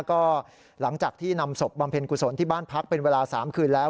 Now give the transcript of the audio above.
ก็หลังจากที่นำศพบำเพ็ญกุศลที่บ้านพักเป็นเวลา๓คืนแล้ว